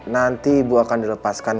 nanti ibu akan dilepaskan